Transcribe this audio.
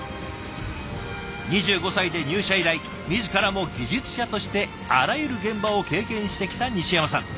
２５歳で入社以来自らも技術者としてあらゆる現場を経験してきた西山さん。